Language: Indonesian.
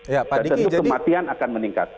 dan tentu kematian akan meningkat